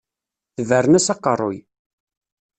Tebren-as aqeṛṛuy.